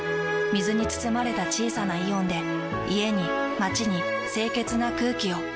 水に包まれた小さなイオンで家に街に清潔な空気を。